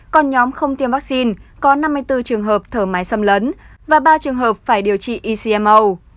còn nhóm không tiêm vaccine có năm mươi bốn trường hợp thở máy xâm lấn và ba trường hợp phải điều trị ecmo